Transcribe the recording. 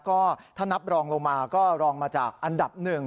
ก็ถ้านับรองลงมาก็รองมาจากอันดับหนึ่ง